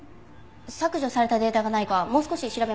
削除されたデータがないかもう少し調べます。